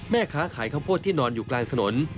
แม่ค้าขายข้าวโพดที่นอนอยู่กลางถนน